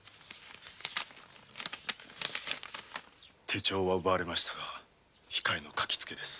手帳は奪われましたが控えの書きつけです。